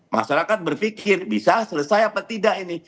masyarakat berpikir bisa selesai apa tidak ini